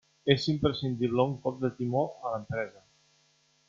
És imprescindible un cop de timó a l'empresa.